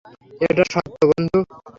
এটা সত্য বন্ধু।